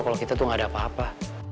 kalau kita tuh gak ada apa apa